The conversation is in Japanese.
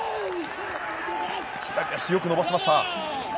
左足、よく伸ばしました。